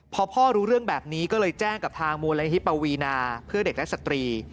พอพ่อรู้เรื่องแบบนี้ก็เลยแจ้งกับทางมูลนิธิปวีนาเพื่อเด็กและสตรี